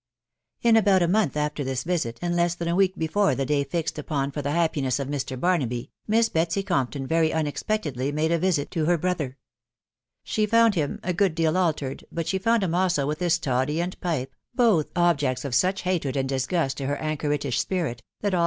In about a month, after this visit,, and less* than a week before/ the day fixed upon fcg.tha^hsypiBess oft Mrv Jtysnsby,. Miss Betsy Compton very unexpectedly made a visit to her brothon She found hint a good deal, aliened* but she iaund Mm, aba* with his toddy and pipe, both objects of such hatred and <Us>> gust to her anehoritish spirit, that all.